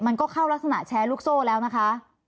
มันก็เข้ารักษณะแชร์ลูกโซ่แล้วนะคะ